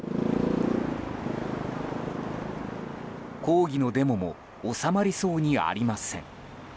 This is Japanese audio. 抗議のデモも収まりそうにありません。